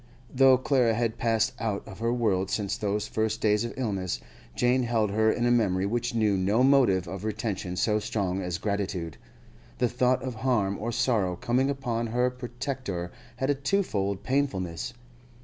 Though Clara had passed out of her world since those first days of illness, Jane held her in a memory which knew no motive of retention so strong as gratitude. The thought of harm or sorrow coming upon her protector had a twofold painfulness.